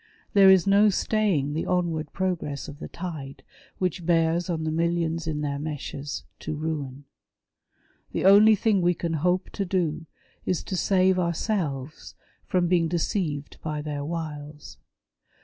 There is no staying the onward progress of the tide which bears on the millions in their meshes, to ruin. The only thing we can hope to do, is to save ourselves from being deceived by their wiles.